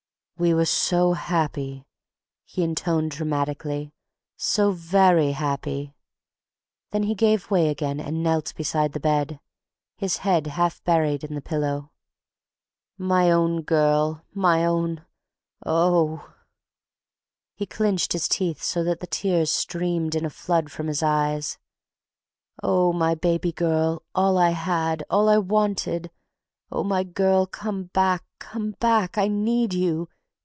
"We were so happy," he intoned dramatically, "so very happy." Then he gave way again and knelt beside the bed, his head half buried in the pillow. "My own girl—my own—Oh—" He clinched his teeth so that the tears streamed in a flood from his eyes. "Oh... my baby girl, all I had, all I wanted!... Oh, my girl, come back, come back! I need you...